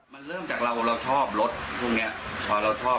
มันเริ่มจากเราเราชอบรสพวกเนี้ยพอเราชอบ